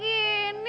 kok cuma segini